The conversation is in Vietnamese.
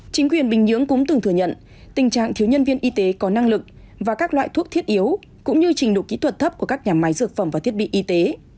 chính quyền bình nhưỡng cũng từng thừa nhận tình trạng thiếu nhân viên y tế có năng lực và các loại thuốc thiết yếu cũng như trình độ kỹ thuật thấp của các nhà máy dược phẩm và thiết bị y tế